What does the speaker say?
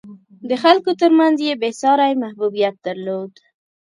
د خلکو ترمنځ یې بېساری محبوبیت درلود.